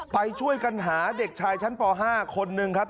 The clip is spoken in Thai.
ไปช่วยกันหาเด็กชายชั้นป๕คนนึงครับ